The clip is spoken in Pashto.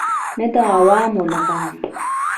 نه د عوامو لپاره.